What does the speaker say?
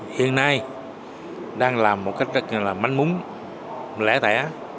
hiện nay đang làm một cách rất là mảnh múng lẻ tẻ